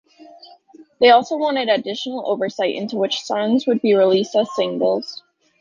They also wanted additional oversight into which songs would be released as singles.